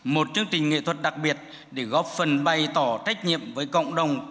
một chương trình nghệ thuật đặc biệt để góp phần bày tỏ trách nhiệm với cộng đồng